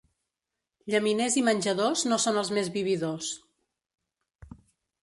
Llaminers i menjadors no són els més vividors.